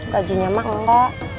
gajinya mah enggak